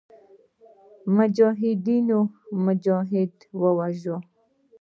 مجاهدینو مجاهدین وژل.